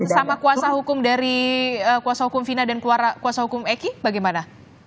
sama kuasa hukum dari kuasa hukum fina dan keluarga kuasa hukum eki bagaimana